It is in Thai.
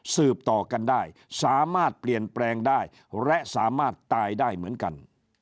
สืบต่อกันได้สามารถเปลี่ยนแปลงได้และสามารถตายได้เหมือนกัน